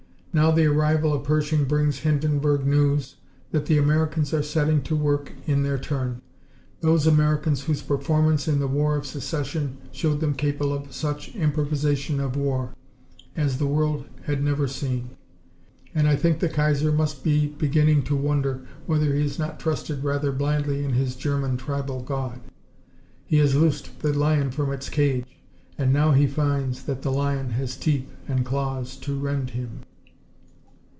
Now the arrival of Pershing brings Hindenburg news that the Americans are setting to work in their turn those Americans whose performance in the War of Secession showed them capable of such 'improvisation of war' as the world had never seen and I think the Kaiser must be beginning to wonder whether he has not trusted rather blindly in his 'German tribal God.' He has loosed the lion from its cage, and now he finds that the lion has teeth and claws to rend him.